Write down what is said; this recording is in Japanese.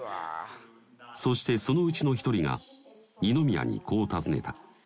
そしてそのうちの１人が二宮にこう尋ねた。